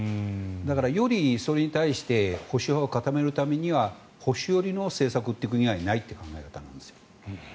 だから、よりそれに対して保守派を固めるためには保守寄りの政策を打っていく以外にないという考え方なんですよ。